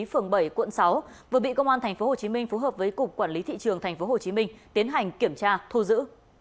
phường bảy quận sáu vừa bị công an tp hcm phối hợp với cục quản lý thị trường tp hcm tiến hành kiểm tra thu giữ